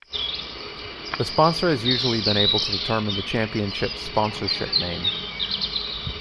The sponsor has usually been able to determine the championship's sponsorship name.